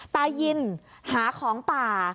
ตายินหาของป่า